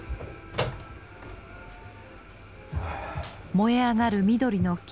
「燃えあがる緑の木」